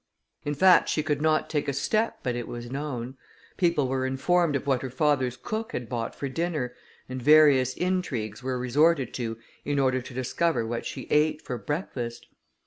In fact, she could not take a step, but it was known; people were informed of what her father's cook had bought for dinner, and various intrigues were resorted to in order to discover what she ate for breakfast.